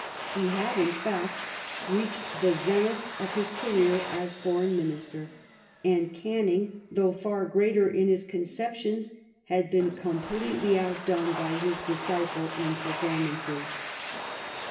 He had in fact reached the zenith of his career as Foreign Minister, and Canning, though far greater in his concep tions, had been completely outdone by his disciple in performances.